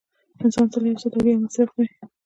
انسان تل یو څه تولید او مصرف کوي